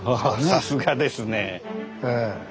さすがですね。